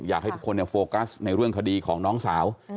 อยากให้ทุกคนโฟกัสในเรื่องคดีของน้องสาว